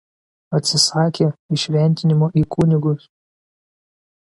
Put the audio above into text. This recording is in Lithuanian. Atsisakė įšventinimo į kunigus.